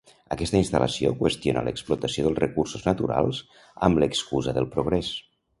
Aquesta instal·lació qüestiona l’explotació dels recursos naturals amb l’excusa del progrés.